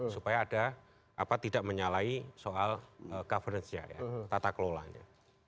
supaya ada apa tidak menyalahi soal governance nya ya tata kelolanya